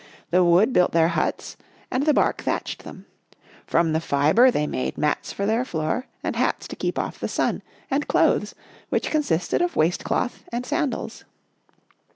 The wood built their huts, and the bark thatched them. From the fibre they made mats for their floors and hats to keep off the sun, 24 Our Little Australian Cousin and clothes, which consisted of waist cloth and sandals.